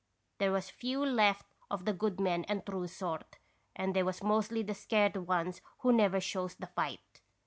There was few left of the good men and true sort, and they was mostly the scared ones who never shows fight.